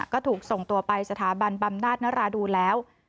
ก็ถูกส่งตัวไปสถาบันบำนาจนราดูนแล้ว